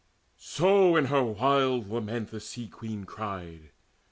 So in her wild lament the Sea queen cried.